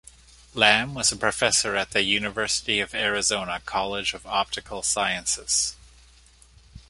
Lamb was a professor at the University of Arizona College of Optical Sciences.